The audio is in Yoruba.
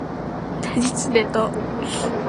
Àwọn jàǹdùkú fi aṣọ bo ọkọ̀ tí wón jí gbé.